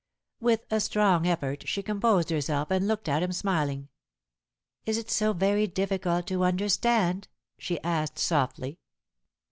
With a strong effort she composed herself, and looked at him smiling. "Is it so very difficult to understand?" she asked softly.